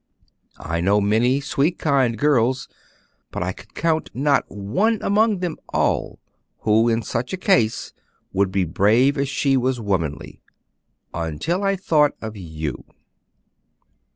I know many sweet, kind girls, but I could count not one among them all who in such a case would be brave as she was womanly until I thought of you."